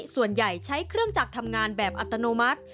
ส่วนใหญ่ใช้เครื่องจักรทำงานแบบอัตโนมัติ